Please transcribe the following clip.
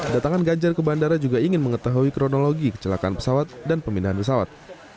datangan ganjar ke bandara juga ingin mengetahui kronologi kecelakaan pesawat dan pemindahan pesawat